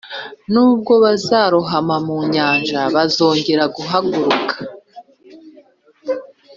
nubwo bazarohama mu nyanja bazongera guhaguruka;